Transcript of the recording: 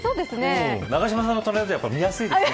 永島さんの隣だと見やすいですね。